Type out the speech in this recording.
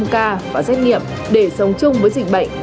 năm ca và xét nghiệm để sống chung với dịch bệnh